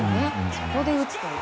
そこで打つという。